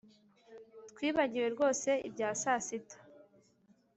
Twibagiwe rwose ibya sasita